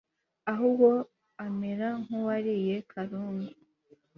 ahubwo amera nk'uwariye karungu